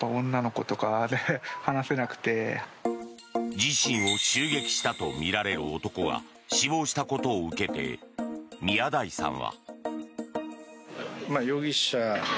自信を襲撃したとみられる男が死亡したことを受けて宮台さんは。